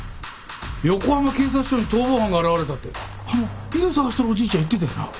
横浜警察署に逃亡犯が現れたってあの犬捜してるおじいちゃん言ってたよな？